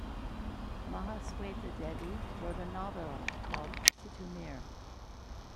Mahasweta Devi wrote a novella called "Titu Mir".